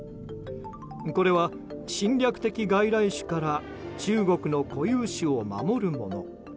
これは侵略的外来種から中国の固有種を守るもの。